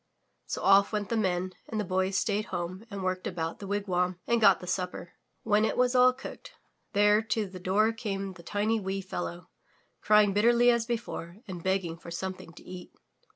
So off went the Men, and the Boy stayed home and worked about the wigwam and got the supper. When it was all cooked, there to the door came the tiny wee fellow, crying bitterly as before and begging for something to eat.